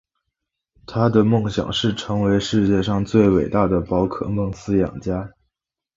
他的梦想是成为世界上最伟大的宝可梦饲育家。